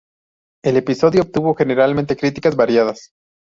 El episodio obtuvo generalmente críticas variadas.